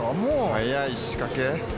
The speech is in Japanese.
早い仕掛け。